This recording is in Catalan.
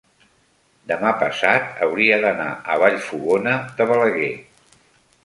demà passat hauria d'anar a Vallfogona de Balaguer.